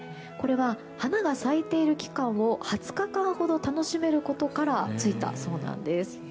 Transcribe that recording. これは花が咲いている期間が２０日間ほど楽しめることからついたそうなんです。